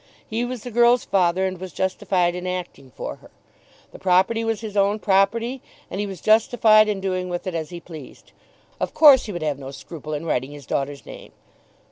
He was the girl's father and was justified in acting for her. The property was his own property, and he was justified in doing with it as he pleased. Of course he would have no scruple in writing his daughter's name.